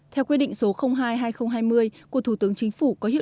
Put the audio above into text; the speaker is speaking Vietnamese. theo quyết định số hai hai nghìn hai mươi của thủ tướng chính phủ